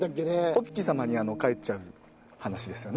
お月様に帰っちゃう話ですよね。